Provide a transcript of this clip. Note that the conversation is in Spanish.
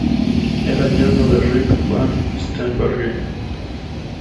Era yerno de Rik Van Steenbergen.